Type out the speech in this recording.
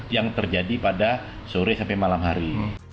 yang terjadi pada sore sampai malam hari